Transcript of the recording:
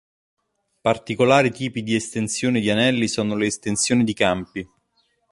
Particolari tipi di estensioni di anelli sono le estensioni di campi.